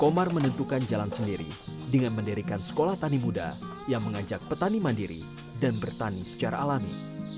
komar menentukan jalan sendiri dengan mendirikan sekolah tani muda yang mengajak petani mandiri dan bertani secara alami